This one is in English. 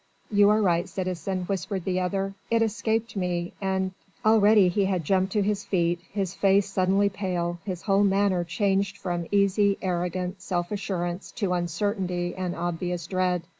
"You are right, citizen," whispered the other, "it escaped me and...." Already he had jumped to his feet, his face suddenly pale, his whole manner changed from easy, arrogant self assurance to uncertainty and obvious dread.